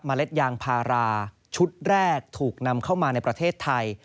เล็ดยางพาราชุดแรกถูกนำเข้ามาในประเทศไทย